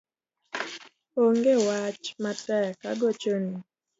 Onge wach matek agochoni